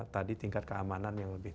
tadi tingkat keamanan yang lebih